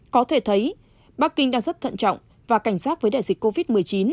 có thể thấy bắc kinh đang rất thận trọng và cảnh giác với đại dịch covid một mươi chín